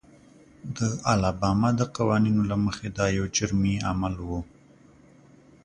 د الاباما د قوانینو له مخې دا یو جرمي عمل و.